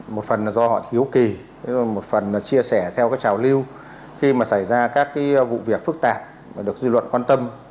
một phần là do họ hiếu kỳ một phần là chia sẻ theo trào lưu khi mà xảy ra các vụ việc phức tạp được dư luận quan tâm